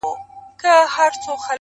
o د مور نس بوخچه ده.